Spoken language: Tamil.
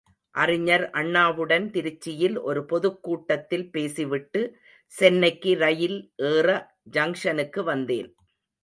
அறிஞர் அண்ணாவுடன் திருச்சியில் ஒரு பொதுக் கூட்டத்தில் பேசிவிட்டு சென்னைக்கு ரயில் ஏற ஜங்ஷனுக்கு வந்தேன்.